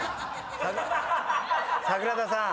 桜田さん。